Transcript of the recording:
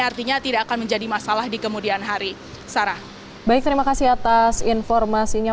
artinya tidak akan menjadi masalah di kemudian hari sarah baik terima kasih atas informasinya